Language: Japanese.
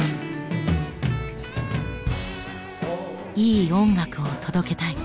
いい音楽を届けたい。